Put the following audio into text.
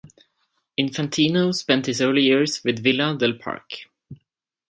Infantino spent his early years with Villa del Parque.